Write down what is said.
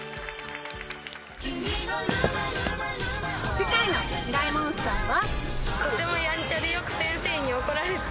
次回の『ミライ☆モンスター』は？